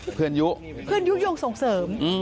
มนุษยุครับเพื่อนยูยุยวงส่งเสริมอืม